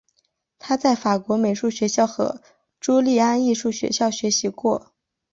他在法国美术学校和朱利安艺术学校学习过。